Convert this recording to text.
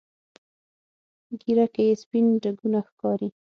ږیره کې یې سپین ډکونه ښکاري.